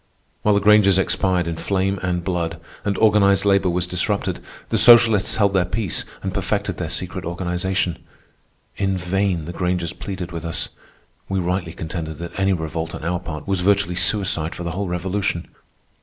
While the Grangers expired in flame and blood, and organized labor was disrupted, the socialists held their peace and perfected their secret organization. In vain the Grangers pleaded with us. We rightly contended that any revolt on our part was virtually suicide for the whole Revolution.